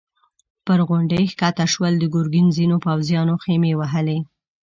پر غونډۍ کښته شول، د ګرګين ځينو پوځيانو خيمې وهلې.